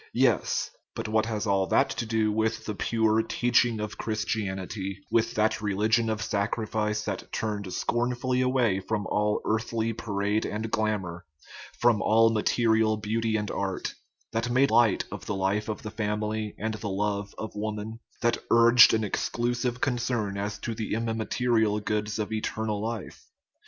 Yes; but what has all that to do with the pure teaching of Christianity with that religion of sacrifice that turned scornfully away from all earthly parade and glamour, from all material beauty and art ; that made light of the life of the fam ily and the love of woman ; that urged an exclusive con cern as to the immaterial goods of eternal life?